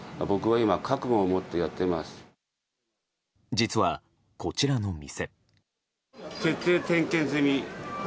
実は、こちらの店。